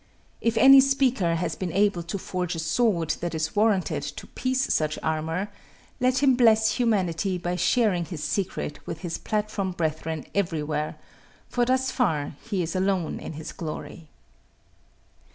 If any speaker has been able to forge a sword that is warranted to piece such armor, let him bless humanity by sharing his secret with his platform brethren everywhere, for thus far he is alone in his glory.